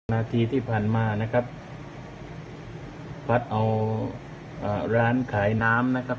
นาทีที่ผ่านมานะครับพัดเอาร้านขายน้ำนะครับ